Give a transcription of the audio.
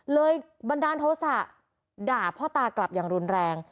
บันดาลโทษะด่าพ่อตากลับอย่างรุนแรง